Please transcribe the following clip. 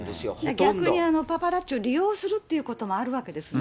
逆にパパラッチを利用するっていうこともあるわけですね。